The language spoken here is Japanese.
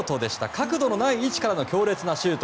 角度のない位置からの強烈なシュート。